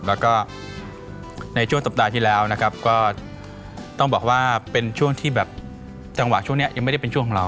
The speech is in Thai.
แล้วก็ในช่วงสัปดาห์ที่แล้วนะครับก็ต้องบอกว่าเป็นช่วงที่แบบจังหวะช่วงนี้ยังไม่ได้เป็นช่วงของเรา